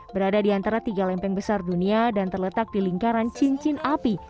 berada di antara tiga lempeng besar dunia dan terletak di lingkaran cincin api